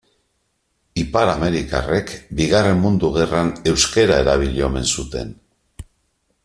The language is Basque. Ipar-amerikarrek Bigarren Mundu Gerran euskara erabili omen zuten.